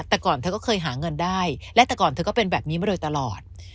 แต่ก่อนเธอก็เคยหาเงินได้และแต่ก่อนเธอก็เป็นแบบนี้มาโดยตลอด